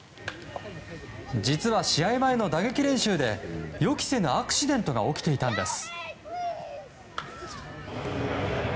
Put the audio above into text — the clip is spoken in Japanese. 実は、試合前の打撃練習で予期せぬアクシデントが起きていたんです。